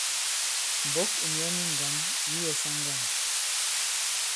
M̀mbɔ̌k ì myɔ̀ɔ mi ŋgǎn ǐ wɛsa ŋgân.